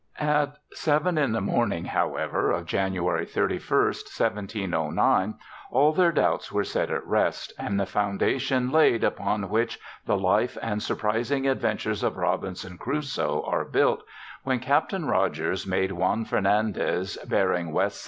At seven in the morning, however, of January 31st, 1709, all their doubts were set at rest, and the foundation laid, upon which the Life and Surprising Adventures of Robinson Crusoe " are built, when Captain Rogers made Juan Fernandez, bearing W.S.